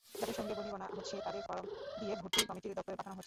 যাদের সঙ্গে বনিবনা হচ্ছে তাদের ফরম দিয়ে ভর্তি কমিটির দপ্তরে পাঠানো হচ্ছে।